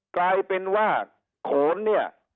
กลายเป็นว่าโขนเนี่ย